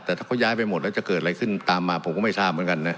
แต่ถ้าเขาย้ายไปหมดแล้วจะเกิดอะไรขึ้นตามมาผมก็ไม่ทราบเหมือนกันนะ